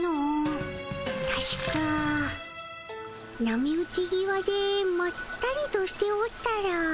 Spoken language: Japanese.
たしか波打ちぎわでまったりとしておったら。